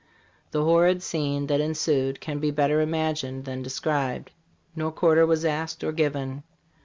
The horrid scene that ensued can be better imagined than described. No quarter was asked or given.